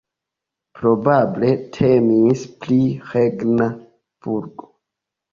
Probable temis pri regna burgo.